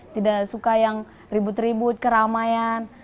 tidak suka yang ribut ribut keramaian